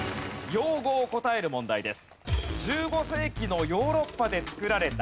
用語を答える問題です。